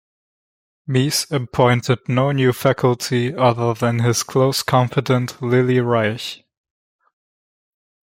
Mies appointed no new faculty other than his close confidant Lilly Reich.